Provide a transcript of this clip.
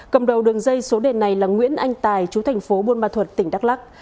cầm đầu đường dây số đề này là nguyễn anh tài chú thành phố buôn ma thuật tỉnh đắk lắc